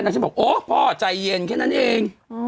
ฉันบอกโอ้พ่อใจเย็นแค่นั้นเอง